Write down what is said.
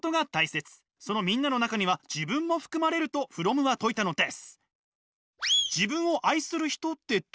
その「みんな」の中には自分も含まれるとフロムは説いたのです！